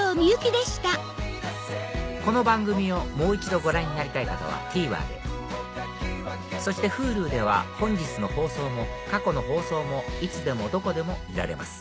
この番組をもう一度ご覧になりたい方はＴＶｅｒでそしてＨｕｌｕでは本日の放送も過去の放送もいつでもどこでも見られます